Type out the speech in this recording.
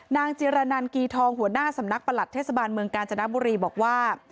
จิรนันกีทองหัวหน้าสำนักประหลัดเทศบาลเมืองกาญจนบุรีบอกว่า